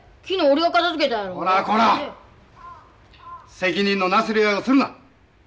責任のなすり合いをするな。